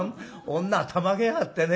女はたまげやがってね